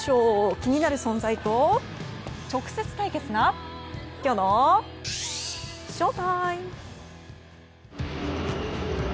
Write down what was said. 気になる存在と直接対決なきょうのＳＨＯＴＩＭＥ！